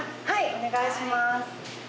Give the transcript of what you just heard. はいお願いします。